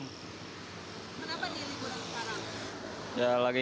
kenapa ini liburan parah